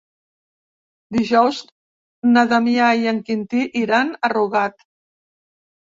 Dijous na Damià i en Quintí iran a Rugat.